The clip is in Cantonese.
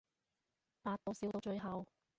百度笑到最後